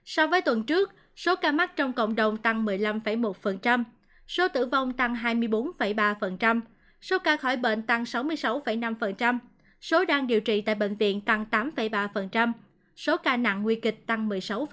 so với tuần trước số ca mắc trong cộng đồng tăng một mươi năm một số tử vong tăng hai mươi bốn ba số ca khỏi bệnh tăng sáu mươi sáu năm số đang điều trị tại bệnh viện tăng tám ba số ca nặng nguy kịch tăng một mươi sáu